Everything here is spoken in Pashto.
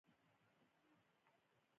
مخکې له دې چې ورسیږي بله لوحه یې ولیدل